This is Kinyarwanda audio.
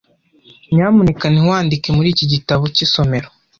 Nyamuneka ntiwandike muri iki gitabo cy'isomero.